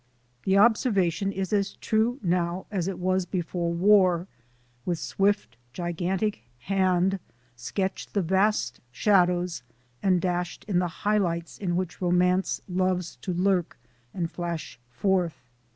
The observation is as true now as it was before war, with swift, gigantic hand, sketched the vast shadows, and dashed in the high lights in which romance loves to lurk and flash forth.